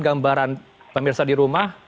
gambaran pemirsa di rumah